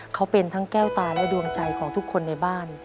เขาเป็นทั้งแก้วตาและดวงใจของทุกคนในบ้าน